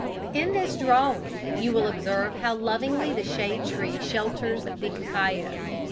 In this drawing you will observe how lovingly the shade tree shelters the cacao.